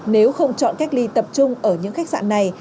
nếu không chọn cách ly tập trung ở những khách sạn này